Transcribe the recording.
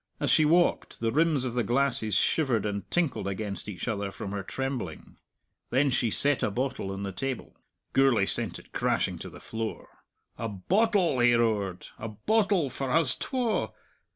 As she walked, the rims of the glasses shivered and tinkled against each other, from her trembling. Then she set a bottle on the table. Gourlay sent it crashing to the floor. "A bottle!" he roared. "A bottle for huz twa!